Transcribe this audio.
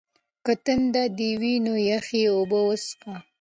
که تنده دې وي نو یخې اوبه وڅښه.